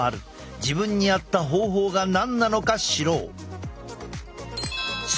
自分に合った方法が何なのか知ろう。